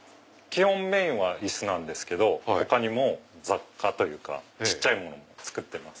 メインは椅子なんですけど他にも雑貨というか小っちゃいものも作ってます。